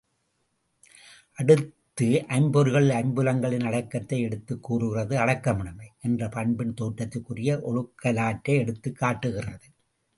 அடுத்து, ஐம்பொறிகள், ஐம்புலன்களின் அடக்கத்தை, எடுத்துக் கூறுகிறது அடக்கமுடைமை என்ற பண்பின் தோற்றத்திற்குரிய ஒழுகலாற்றை எடுத்துக் காட்டுகிறது.